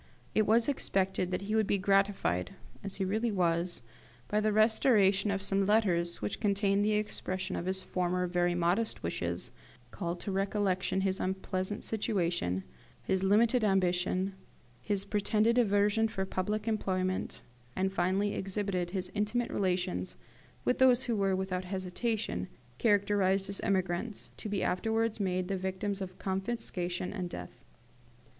It was expected that he would be gratified, as he really was, by the restoration of some letters which contained the expression of his former very modest wishes, called to recollection his unpleasant situation, his limited ambition, his pretended aversion for public employment, and finally exhibited his intimate relations with those who were, without hesitation, characterised as emigrants, to be afterwards made the victims of confiscation and death.